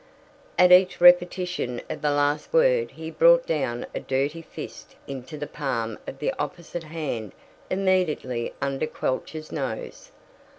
At each repetition of the last word he brought down a dirty fist into the palm of the opposite hand immediately under Quelch's nose.